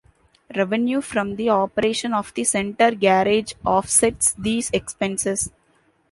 Revenue from the operation of The Center garage offsets these expenses.